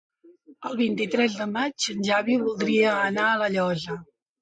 El vint-i-tres de maig en Xavi voldria anar a La Llosa.